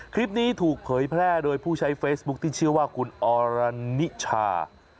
คลิปนี้ถูกเผยแพร่โดยผู้ใช้เฟซบุ๊คที่ชื่อว่าคุณอรณิชา